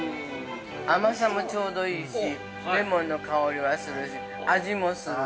◆甘さもちょうどいいし、レモンの香りはするし、味もする。